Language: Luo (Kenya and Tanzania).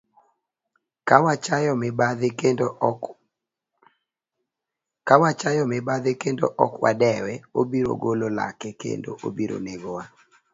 Ka wachayo mibadhi kendo ok wadewe, obiro golo lake kendo obiro negowa